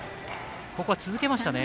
ここは続けましたね。